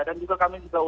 dan juga kami sudah